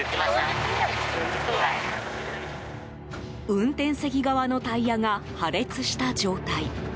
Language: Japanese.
運転席側のタイヤが破裂した状態。